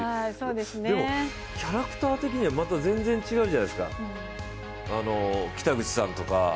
でも、キャラクター的にはまた全然、違うじゃないですか北口さんとか。